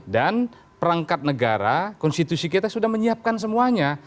dan perangkat negara konstitusi kita sudah menyiapkan semuanya